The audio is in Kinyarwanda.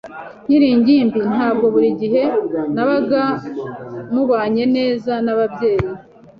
Nkiri ingimbi, ntabwo buri gihe nabaga mubanye neza nababyeyi.